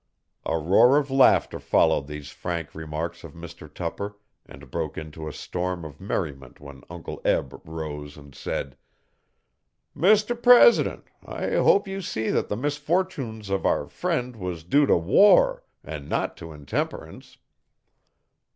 A roar of laughter followed these frank remarks of Mr Tupper and broke into a storm of merriment when Uncle Eb rose and said: 'Mr President, I hope you see that the misfortunes of our friend was due t' war, an' not to intemperance.'